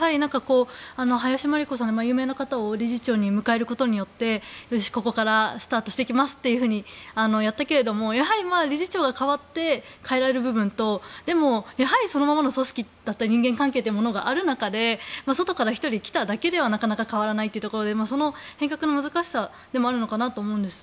林真理子さん、有名な方を理事長に迎えるに当たってここからスタートしていきますってやったけれど理事長が代わって変えられる部分とやはりそのままの組織の人間関係がある中で外から１人が来ただけではなかなか変わらないというところでその変革の難しさでもあるなと思うんです。